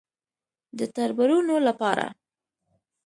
_د تربرونو له پاره.